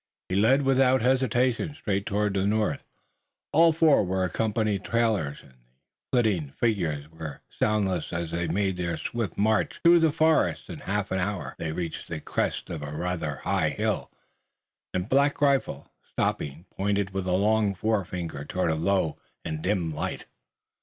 He led without hesitation straight toward the north. All four were accomplished trailers and the flitting figures were soundless as they made their swift march through the forest. In a half hour they reached the crest of a rather high hill and Black Rifle, stopping, pointed with a long forefinger toward a low and dim light.